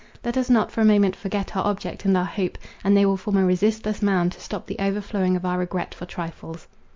Let us not for a moment forget our object and our hope; and they will form a resistless mound to stop the overflowing of our regret for trifles."